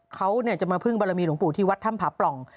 เขาจะมาพึ่งบารมีหลวงปู่ที่วัดถ้ำผาปล่อง